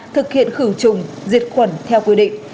thực hiện khử trùng diệt khuẩn theo quy định